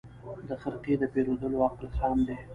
د خرقې د پېرودلو عقل خام دی